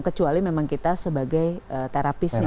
kecuali memang kita sebagai terapisnya